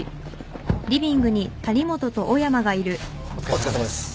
お疲れさまです。